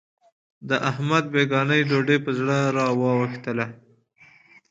د احمد بېګانۍ ډوډۍ په زړه را وا وښتله.